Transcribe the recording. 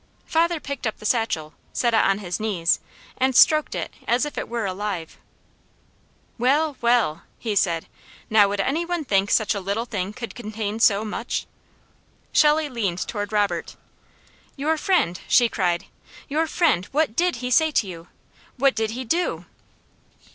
Father picked up the satchel, set it on his knees, and stroked it as if it were alive. "Well! Well!" he said. "Now would any one think such a little thing could contain so much?" Shelley leaned toward Robert. "Your friend!" she cried, "Your friend! What DID he say to you? What did he DO?"